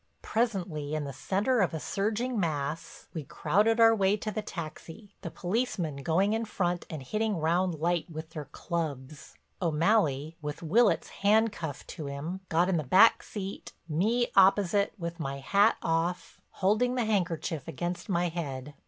Presently in the center of a surging mass we crowded our way to the taxi, the policemen going in front and hitting round light with their clubs. O'Malley with Willitts handcuffed to him got in the back seat, me opposite, with my hat off, holding the handkerchief against my head.